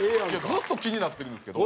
ずっと気になってるんですけど。